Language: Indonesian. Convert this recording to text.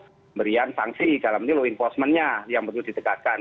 pemberian sanksi dalam ini law enforcement nya yang perlu ditegakkan